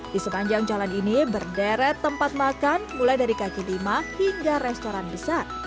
di sepanjang jalan ini berderet tempat makan mulai dari kaki lima hingga restoran besar